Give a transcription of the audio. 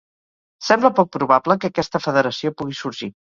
Sembla poc probable que aquesta federació pugui sorgir.